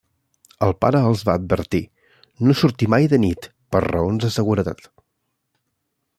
El pare els va advertir: no sortir mai de nit, per raons de seguretat.